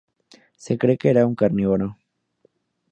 Se cree que era un carnívoro.